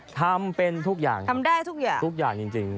ทำเป็นทุกอย่างทำได้ทุกอย่างทุกอย่างจริง